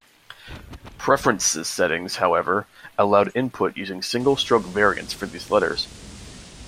Preferences settings, however, allowed input using single stroke variants for these letters.